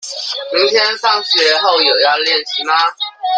明天放學後有要練習嗎？